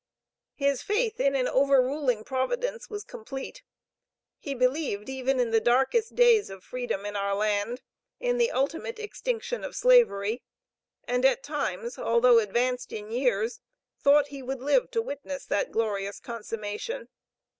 His faith in an overruling Providence was complete. He believed, even in the darkest days of freedom in our land, in the ultimate extinction of Slavery, and at times, although advanced in years, thought he would live to witness that glorious consummation.